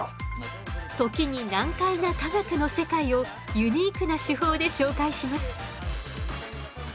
時に難解な科学の世界をユニークな手法で紹介します。